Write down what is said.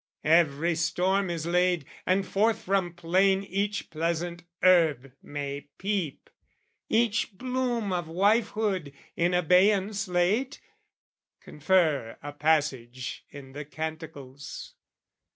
Every storm is laid, And forth from plain each pleasant herb may peep, Each bloom of wifehood in abeyance late: (Confer a passage in the Canticles.)